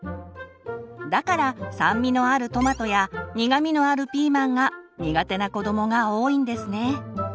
だから酸味のあるトマトや苦味のあるピーマンが苦手な子どもが多いんですね。